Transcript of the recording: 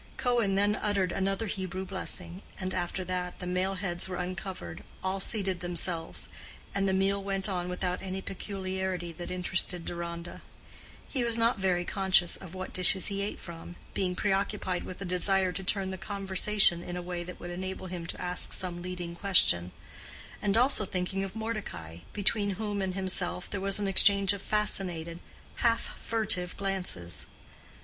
Cohen then uttered another Hebrew blessing, and after that, the male heads were uncovered, all seated themselves, and the meal went on without any peculiarity that interested Deronda. He was not very conscious of what dishes he ate from; being preoccupied with a desire to turn the conversation in a way that would enable him to ask some leading question; and also thinking of Mordecai, between whom and himself there was an exchange of fascinated, half furtive glances.